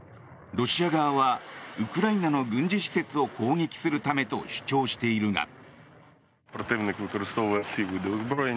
ロシア側はウクライナの軍事施設を攻撃するためと主張しているが。